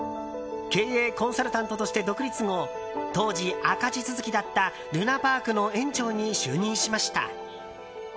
経営コンサルタントとして独立後当時、赤字続きだったるなぱあくの園長に就任しました。